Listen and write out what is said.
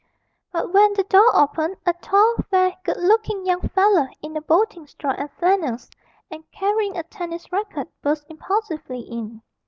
But when the door opened, a tall, fair, good looking young fellow in a boating straw and flannels, and carrying a tennis racket, burst impulsively in.